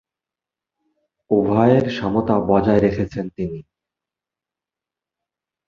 উভয়ের সমতা বজায় রেখেছেন তিনি।